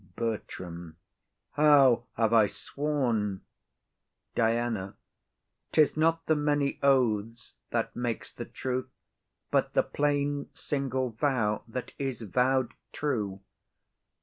BERTRAM. How have I sworn? DIANA. 'Tis not the many oaths that makes the truth, But the plain single vow that is vow'd true.